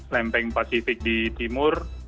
lempeng pasifik di timur